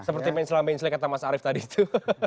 seperti mencela mencela kata mas arief tadi itu